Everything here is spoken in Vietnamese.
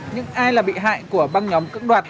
những ai là bị hại của băng nhóm cưỡng đoạt